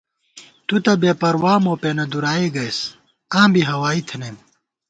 تُو تہ بے پروا مو پېنہ دُرائےگئیس آں بی ہوائی تھنَئیم